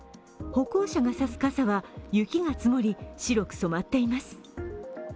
歩行者が差す傘は、雪が積もり白く染まっています。